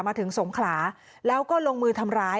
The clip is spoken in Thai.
ถึงสงขลาแล้วก็ลงมือทำร้าย